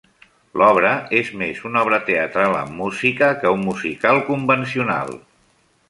L'obra és més una obra teatral amb música que un musical convencional.